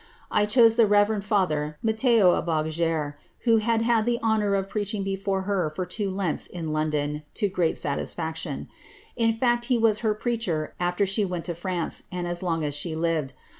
I chose the reverend fiither Matthieu of Auzerre^ who had had the honour of preaching before her for two Lents in Lou* don to general satisfaction ; in fiict, he was her preacher after she went to France, and as long as she lived.